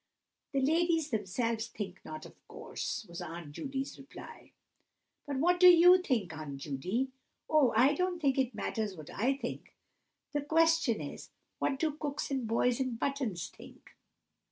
"The ladies themselves think not, of course," was Aunt Judy's reply. "Well, but what do you think, Aunt Judy?" "Oh, I don't think it matters what I think. The question is, what do cooks and boys in buttons think?"